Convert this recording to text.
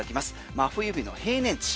真冬日の平年値。